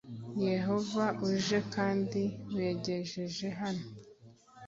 Yehova uje kandi wegereje hano